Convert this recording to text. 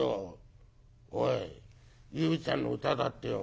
「おい裕ちゃんの歌だってよ。